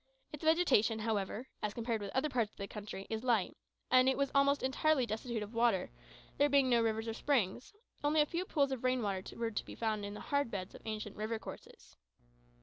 Its vegetation, however, as compared with other parts of the country, was light; and it was almost entirely destitute of water, there being no rivers or springs; only a few pools of rain water were to be found in the hard beds of ancient river courses.